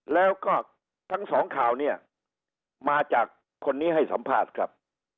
แล้วก็ทั้งสองข่าวเนี่ยมาจากคนนี้ให้สัมภาษณ์ครับ